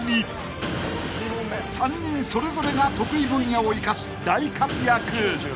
［３人それぞれが得意分野を生かし大活躍］